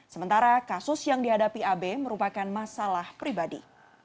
sementara kasus yang dihadapi ab merupakan masalah pribadi